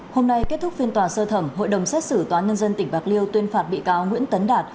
hôm nay kết thúc phiên tòa sơ thẩm hội đồng xét xử tòa nhân dân tỉnh bạc liêu tuyên phạt bị cáo nguyễn tấn đạt